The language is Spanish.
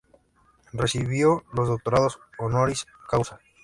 Recibió dos doctorados Honoris Causa.